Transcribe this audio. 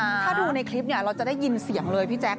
ถ้าดูในคลิปเนี่ยเราจะได้ยินเสียงเลยพี่แจ๊ค